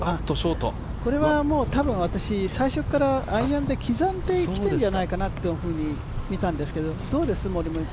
これは多分、私、最初からアイアンで刻んできてるんじゃないかなっていうふうに見たんですけどどうです？